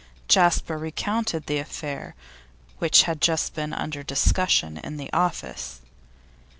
Jasper recounted the affair which had just been under discussion in the office.